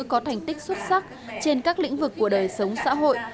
có thành tích xuất sắc trên các lĩnh vực của đời sống xã hội